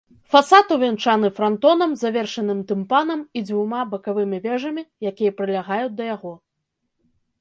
Фасад увянчаны франтонам, завершаным тымпанам і дзвюма бакавымі вежамі, якія прылягаюць да яго.